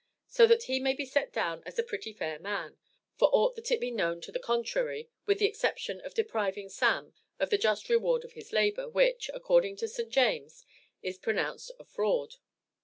so that he may be set down as a pretty fair man, for aught that is known to the contrary, with the exception of depriving "Sam" of the just reward of his labor, which, according to St. James, is pronounced a "fraud."